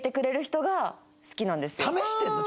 試してるの？